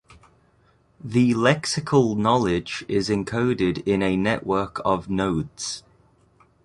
The lexical knowledge is encoded in a network of nodes.